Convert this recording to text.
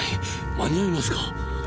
間に合いますか？